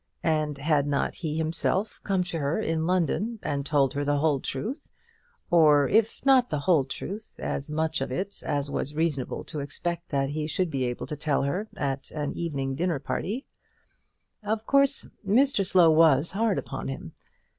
And had not he himself come to her in London and told her the whole truth, or, if not the whole truth, as much of it as was reasonable to expect that he should be able to tell her at an evening party after dinner? Of course Mr Slow was hard upon him.